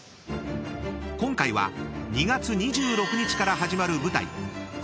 ［今回は２月２６日から始まる］